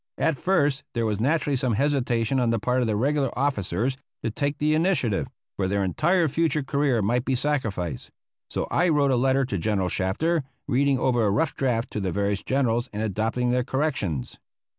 At first there was naturally some hesitation on the part of the regular officers to take the initiative, for their entire future career might be sacrificed. So I wrote a letter to General Shafter, reading over the rough draft to the various Generals and adopting their corrections.